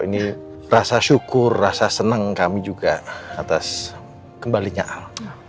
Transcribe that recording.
ini rasa syukur rasa senang kami juga atas kembalinya al